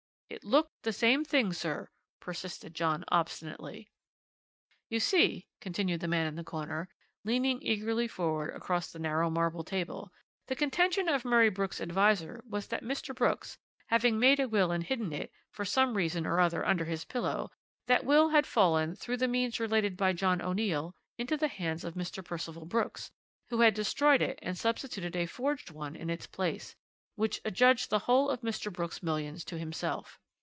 "'It looked the same thing, sir,' persisted John obstinately. "You see," continued the man in the corner, leaning eagerly forward across the narrow marble table, "the contention of Murray Brooks' adviser was that Mr. Brooks, having made a will and hidden it for some reason or other under his pillow that will had fallen, through the means related by John O'Neill, into the hands of Mr. Percival Brooks, who had destroyed it and substituted a forged one in its place, which adjudged the whole of Mr. Brooks' millions to himself.